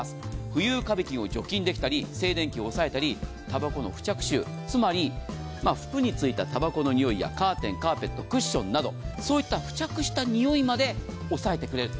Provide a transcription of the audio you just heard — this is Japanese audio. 浮遊カビ菌を除菌できたり静電気を抑えたりたばこの付着臭つまり服についたタバコの臭いやカーテン、カーペットクッションなどそういった付着した臭いまで抑えてくれる。